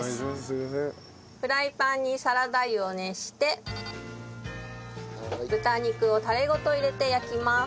フライパンにサラダ油を熱して豚肉をタレごと入れて焼きます。